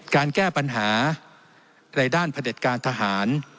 การแก้ปัญหาในด้านพระเด็จการทหาร